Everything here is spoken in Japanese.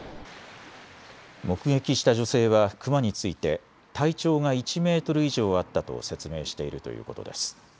目撃した女性はクマについて体長が１メートル以上あったと説明しているということです。